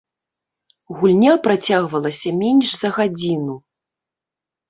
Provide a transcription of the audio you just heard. Гульня працягвалася менш за гадзіну.